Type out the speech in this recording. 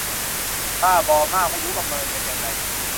บ้าบอมาก ไม่รู้ประเมินกันยังไง